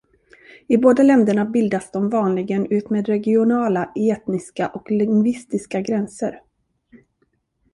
I båda länderna bildas de vanligen utmed regionala, etniska och lingvistiska gränser.